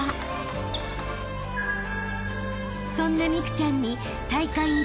［そんな美空ちゃんに］